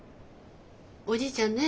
おじいちゃんね